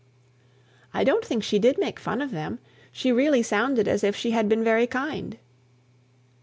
"I don't think she did make fun of them. She really seemed as if she had been very kind."